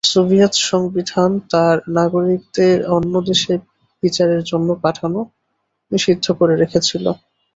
Soviet সংবিধান তার নাগরিকদের অন্য দেশে বিচারের জন্য পাঠানো নিষিদ্ধ করে রেখেছিল।